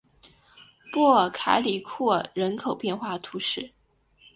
波尔凯里库尔人口变化图示